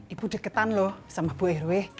ibu deketan loh sama bu rw